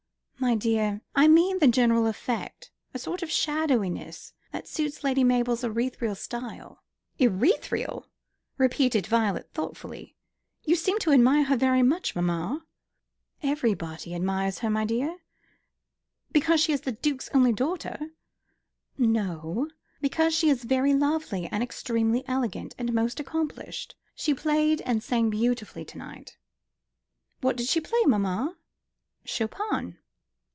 "My dear, I mean the general effect a sort of shadowiness which suits Lady Mabel's ethereal style." "Ethereal!" repeated Violet thoughtfully; "you seem to admire her very much, mamma." "Everybody admires her, my dear." "Because she is a duke's only daughter." "No; because she is very lovely, and extremely elegant, and most accomplished. She played and sang beautifully to night." "What did she play, mamma?" "Chopin!"